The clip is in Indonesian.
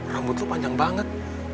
rambut lo panjang banget